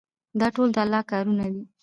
دا ټول د الله کارونه دي.